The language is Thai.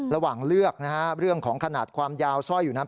ระหว่างเลือกเรื่องของขนาดความยาวซ่อยอยู่นั้น